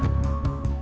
liat dong liat